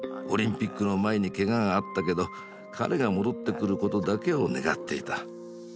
オリンピックの前にケガがあったけど彼が戻ってくることだけを願っていた。